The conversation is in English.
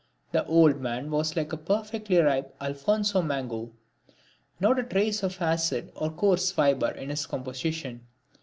The old man was like a perfectly ripe Alfonso mango not a trace of acid or coarse fibre in his composition.